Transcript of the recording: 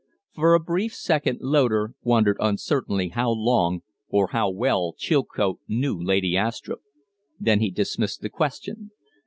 For a brief second Loder wondered uncertainly how long or how well Chilcote knew Lady Astrupp; then he dismissed the question.